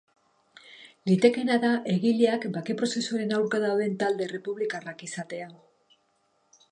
Litekeena da egileak bake prozesuaren aurka dauden talde errepublikarrak izatea.